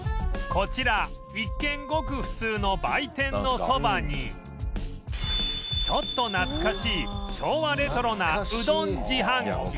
こちら一見ごく普通の売店のそばにちょっと懐かしい昭和レトロなうどん自販機